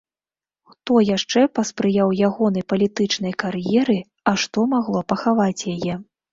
Хто яшчэ паспрыяў ягонай палітычнай кар'еры, а што магло пахаваць яе?